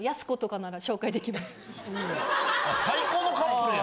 最高のカップルやん。